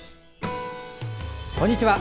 こんにちは。